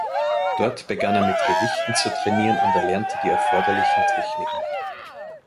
Dort begann er mit Gewichten zu trainieren und erlernte die erforderlichen Techniken.